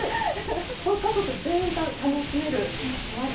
これ家族全員楽しめるお味。